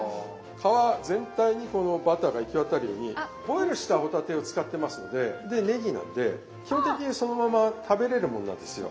皮全体にこのバターが行き渡るようにボイルした帆立てを使ってますのででねぎなんで基本的にそのまま食べれるもんなんですよ。